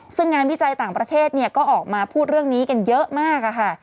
ซึ่งงานวิจัยต่างประเทศก็ออกมาพูดเรื่องนี้กันเยอะมากค่ะ